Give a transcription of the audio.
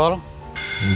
dari kisah sekali di sana